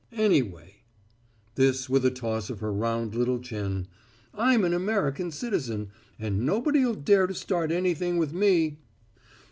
Anyway" this with a toss of her round little chin "I'm an American citizen, and nobody'll dare to start anything with me."